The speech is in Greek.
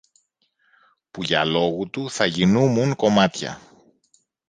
που για λόγου του θα γίνουμουν κομμάτια!